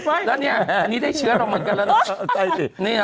แล้วเนี่ยอันนี้ได้เชื้อเราเหมือนกันแล้วนะ